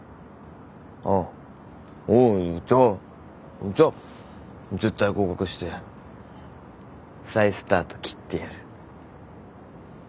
あっおうじゃあじゃ絶対合格して再スタート切ってやる。